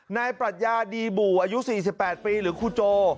ปรัชญาดีบู่อายุ๔๘ปีหรือครูโจ